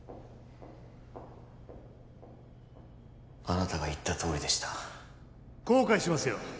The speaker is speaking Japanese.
あなたが言ったとおりでした後悔しますよ